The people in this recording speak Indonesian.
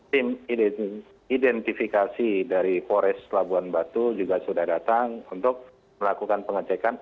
tim identifikasi dari forest labuan batu juga sudah datang untuk melakukan pengecekan